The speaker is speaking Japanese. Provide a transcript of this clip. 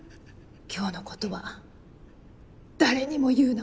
今日の事は誰にも言うな。